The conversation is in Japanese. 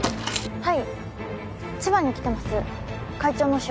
はい？